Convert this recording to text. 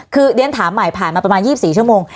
คือเรียนถามใหม่ผ่านมาประมาณ๒๔ชั่วโมง